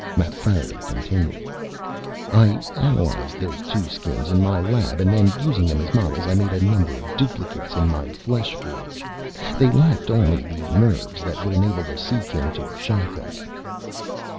Mapfarity continued, "I analyzed those two Skins in my lab and then, using them as models, made a number of duplicates in my fleshforge. They lacked only the nerves that would enable the Sea King to shock us."